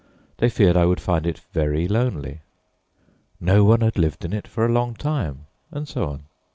They feared I would find it very lonely. No one had lived in it for a long time, and so on.